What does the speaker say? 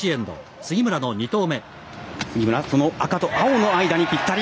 杉村赤と青の間にぴったり。